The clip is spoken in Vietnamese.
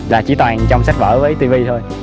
là chỉ toàn trong sách vở với tivi thôi